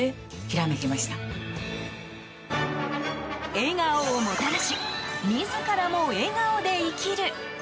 笑顔をもたらし自らも笑顔で生きる。